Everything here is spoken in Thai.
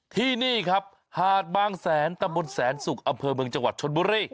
ที่นี่ครับหาดบางแสนตำบลแสนสุกอำเภอเมืองจังหวัดชนบุรี